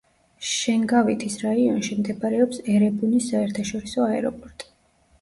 შენგავითის რაიონში მდებარეობს ერებუნის საერთაშორისო აეროპორტი.